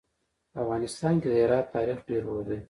په افغانستان کې د هرات تاریخ ډېر اوږد دی.